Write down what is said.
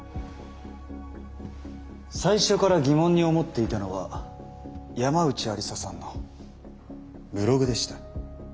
最初から疑問に思っていたのは山内愛理沙さんのブログでした。